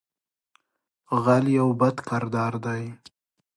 غل یو بد کردار دی